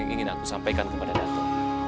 yang ingin aku sampaikan kepada dato